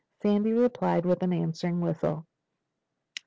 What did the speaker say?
Sandy replied with an answering whistle.